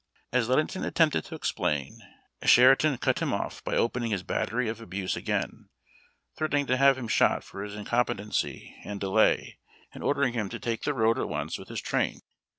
As Ludington attempted to explain, Sheridan cut him off by opening his battery of abuse again, threaten ing to have him shot for his incompetency and delay, and ordering him to take the road at once with his train.